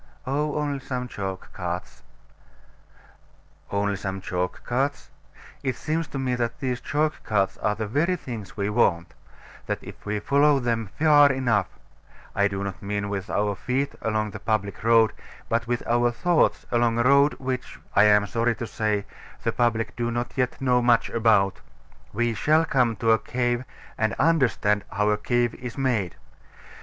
Oh, only some chalk carts. Only some chalk carts? It seems to me that these chalk carts are the very things we want; that if we follow them far enough I do not mean with our feet along the public road, but with our thoughts along a road which, I am sorry to say, the public do not yet know much about we shall come to a cave, and understand how a cave is made.